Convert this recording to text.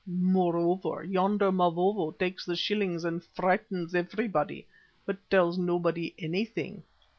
Moreover, yonder Mavovo takes the shillings and frightens everybody, but tells nobody anything.